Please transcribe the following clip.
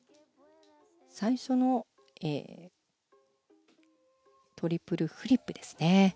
最初のトリプルフリップですね。